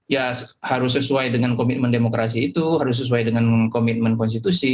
ya harus sesuai dengan komitmen demokrasi itu harus sesuai dengan komitmen konstitusi